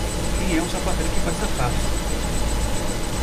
Quem é um sapateiro que faz sapatos.